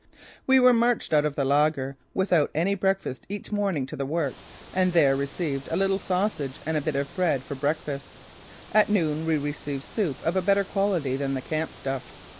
We were marched out of the laager without any breakfast each morning to the work and there received a little sausage and a bit of bread for breakfast. At noon we received soup of a better quality than the camp stuff.